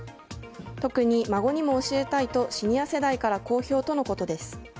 特に孫にも教えたいとシニア世代から好評とのことです。